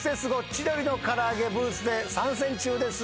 千鳥のからあげブースで参戦中です。